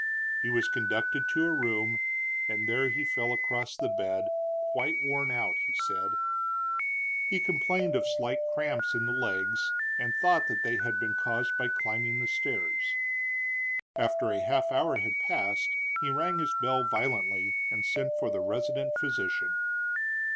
He was conducted to a room, and there he fell across the bed, quite worn out, he said. He complained of slight cramps in the legs and thought that they had been caused by climbing the stairs. After a half hour had passed he rang his bell violently and sent for the resident physician.